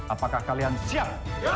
apakah kalian siap